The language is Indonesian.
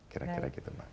kira kira gitu mbak